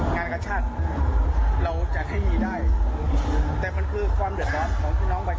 งานกระชาติเราจัดให้มีได้แต่มันคือความเดือดร้อนของพี่น้องประชาชน